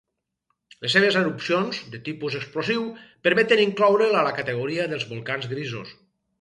Les seves erupcions, de tipus explosiu, permeten incloure'l a la categoria dels volcans grisos.